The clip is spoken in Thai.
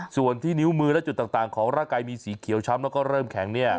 ส่วนที่นิ้วมือและจุดต่างของร่างกายมีสีเขียวช้ำแล้วก็เริ่มแข็งเนี่ย